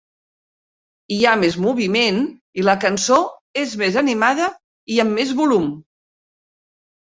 Hi ha més moviment i la cançó és més animada i amb més volum.